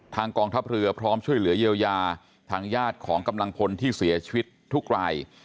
กองทัพเรือพร้อมช่วยเหลือเยียวยาทางญาติของกำลังพลที่เสียชีวิตทุกราย